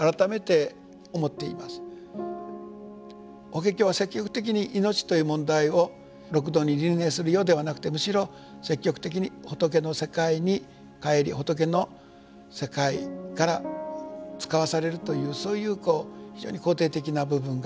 法華経は積極的に命という問題を六道に輪廻するよではなくてむしろ積極的に仏の世界に帰り仏の世界から遣わされるというそういう非常に肯定的な部分があります。